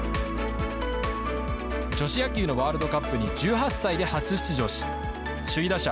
女子野球のワールドカップに１８歳で初出場し、首位打者、